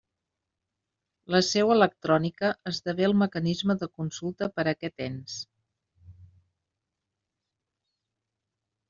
La seu electrònica esdevé el mecanisme de consulta per a aquests ens.